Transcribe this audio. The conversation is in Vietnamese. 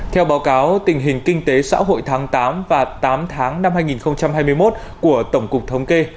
theo báo cáo tình hình kinh tế xã hội tháng tám và tám tháng năm hai nghìn hai mươi một của tổng cục thống kê